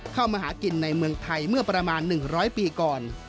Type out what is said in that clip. เข้ามาหากินในเมืองไทยเมื่อประมาณ๑๐๐ปีก่อน